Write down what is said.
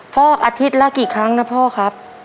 ฟอกอาทิตย์ละกี่ครั้งนะพ่อครับ